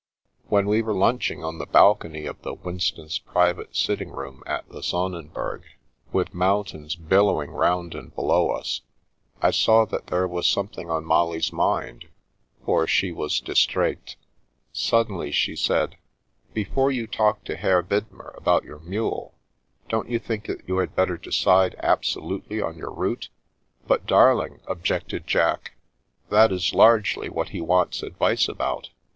When we were lunching on the balcony of the Winstons' private sitting room at the Sonnenberg, 56 The Princess Passes with mountains billowing round and below us, I saw that there was something on Molly's mind, JFor she was distraite. Suddenly she said, " Before you talk to Herr Widmer about your mule, don't you think that you had better decide absolutely upon your route ?" "But, darling," objected Jack, "that is largely what he wants advice about."